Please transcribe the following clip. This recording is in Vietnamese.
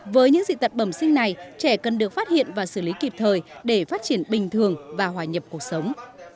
với những dị tật bẩm sinh này trẻ cần được phát hiện và xử lý kịp thời để phát triển bình thường và hòa nhập cuộc sống